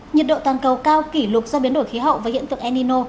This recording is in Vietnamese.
nhiệt độ toàn cầu cao kỷ lục do biến đổi khí hậu và hiện tượng enino